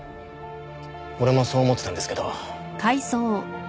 俺もそう思ってたんですけど。